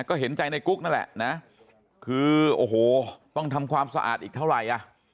ก็เห็นใจในกุ๊กนั่นแหละนะคือโอ้โหต้องทำความสะอาดอีกเท่าไหร่อ่ะ